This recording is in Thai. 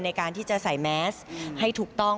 ในการที่จะใส่แมสให้ถูกต้อง